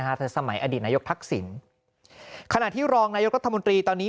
ด้วยนะคะเวลาสมัยอดีตนายกพรรคศิลป์ขณะที่รองนายกรัฐมนตรีตอนนี้